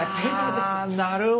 あなるほど。